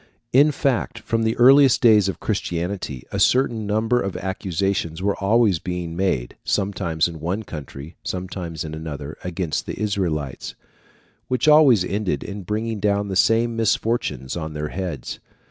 In fact, from the earliest days of Christianity, a certain number of accusations were always being made, sometimes in one country, sometimes in another, against the Israelites, which always ended in bringing down the same misfortunes on their heads.